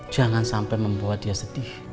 jangan sampai membuat dia sedih